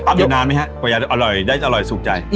อาบดน้ำไหมคะอร่อยสุขใจ